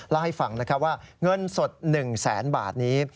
และให้ฟังนะครับว่าเงินสดหนึ่งแสนบาทนี้